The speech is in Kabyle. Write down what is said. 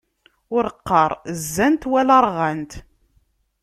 Ur qqaṛ zzant, wala rɣant!